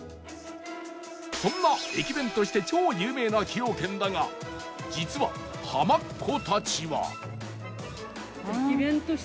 そんな駅弁として超有名な崎陽軒だが実は浜っ子たちは